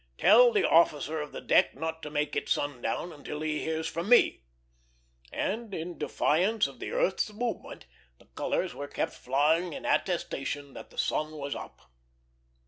"Tell the officer of the deck not to make it sundown until he hears from me;" and, in defiance of the earth's movement, the colors were kept flying in attestation that the sun was up.